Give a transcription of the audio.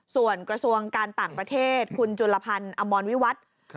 ส่วนกระทรวงการต่างประเทศคุณจุลพันธ์อมรวิวัตร